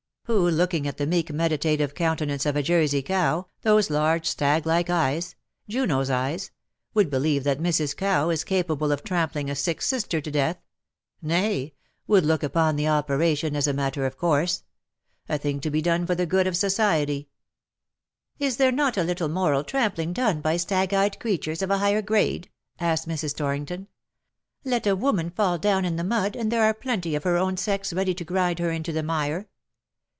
Who^ looking at the meek meditative countenance of a Jersey cow, those large stag like eyes — Juno^s eyes — would believe that Mrs. Cow is capable of trampling a sick sister to death — nay, would look upon the operation as a matter of course — a thing to be done for the good of society/^ " Is there not a little moral trampling done by stig eyed creatures of a higher grade ?^^ asked Mrs. Torrington. ^' Let a woman once fall down in the midj and there are plenty of her own sex ready to griid her into the mire.